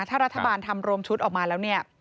ถ้ารัฐบาลทำรวมชุดออกมาแล้วเนี่ย